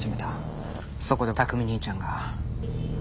そこで琢己兄ちゃんが。